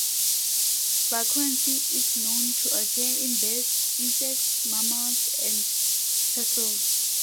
Vagrancy is known to occur in birds, insects, mammals and turtles.